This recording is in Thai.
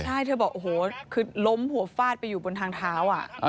ใช่เธอบอกโอ้โหคือล้มหัวฟาดไปอยู่บนทางเท้า